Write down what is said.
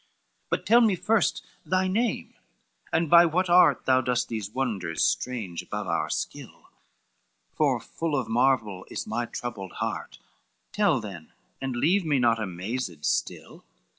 XIX "But tell me first thy name, and by what art Thou dost these wonders strange, above our skill; For full of marvel is my troubled heart, Tell then and leave me not amazed still."